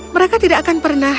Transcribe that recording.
mereka tidak akan pernah